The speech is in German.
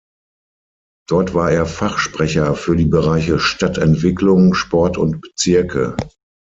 Dort war er Fachsprecher für die Bereiche Stadtentwicklung, Sport und Bezirke.